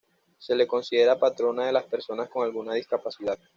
Se le considera patrona de las personas con alguna discapacidad.